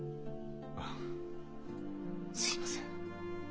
ああすいません。